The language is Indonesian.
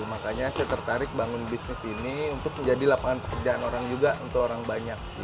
makanya saya tertarik bangun bisnis ini untuk menjadi lapangan pekerjaan orang juga untuk orang banyak